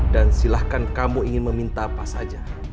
dan silahkan kamu ingin meminta apa saja